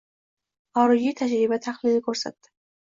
Xorijiy tajriba tahlili koʻrsatdi